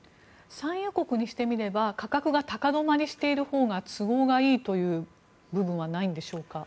産油国にしてみれば価格が高止まりしているほうが都合がいいという部分はないんでしょうか。